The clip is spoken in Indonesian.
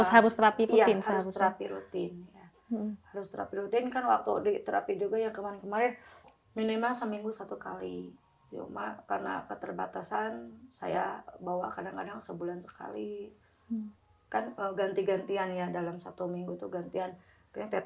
ketua kondisi berkaitan dengan kemampuan terapi